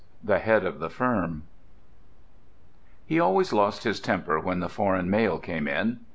THE HEAD OF THE FIRM He always lost his temper when the foreign mail came in.